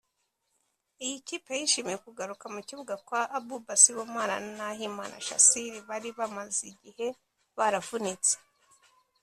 Iyi kipe yishimiye kugaruka mu kibuga kwa Abouba Sibomana na Nahimana Shassir bari bamaze igihe baravunitse